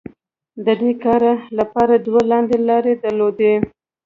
د دې کار لپاره دوی لاندې لارې درلودې.